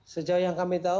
sejauh yang kami tahu